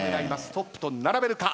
トップと並べるか？